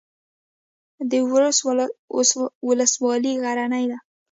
د ورس ولسوالۍ غرنۍ ده